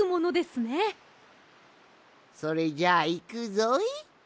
それじゃあいくぞい。